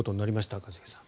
一茂さん。